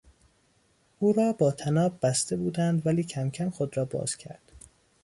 او را با طناب بسته بودند ولی کمکم خود را باز کرد.